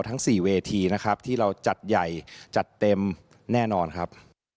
ทั้ง๔เวทีนะครับที่เราจัดใหญ่จัดเต็มแน่นอนครับ